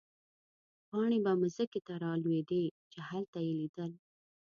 پاڼې به مځکې ته رالوېدې، چې هلته يې لیدل.